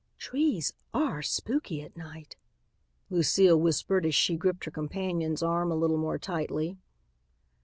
"Trees are spooky at night," Lucile whispered as she gripped her companion's arm a little more tightly.